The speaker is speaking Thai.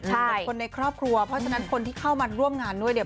เหมือนคนในครอบครัวเพราะฉะนั้นคนที่เข้ามาร่วมงานด้วยเนี่ย